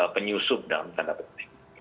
penyusup dalam tanda penting